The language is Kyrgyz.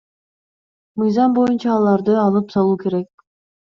Мыйзам боюнча аларды алып салуу керек.